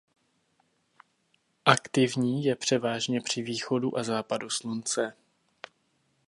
Aktivní je převážně při východu a západu slunce.